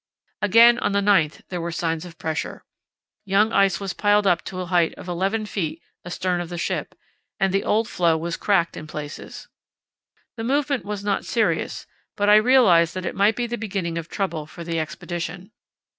Again, on the 9th, there were signs of pressure. Young ice was piled up to a height of 11 ft. astern of the ship, and the old floe was cracked in places. The movement was not serious, but I realized that it might be the beginning of trouble for the Expedition.